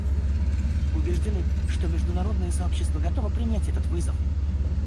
Убеждены, что международное сообщество готово принять этот вызов.